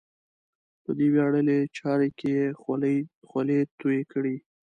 په دې ویاړلې چارې کې یې خولې تویې کړې.